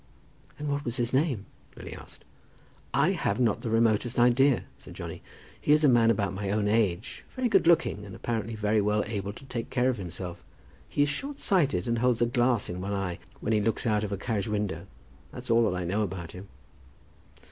"And what was his name?" Lily asked. "I have not the remotest idea," said Johnny. "He is a man about my own age, very good looking, and apparently very well able to take care of himself. He is short sighted, and holds a glass in one eye when he looks out of a carriage window. That's all that I know about him."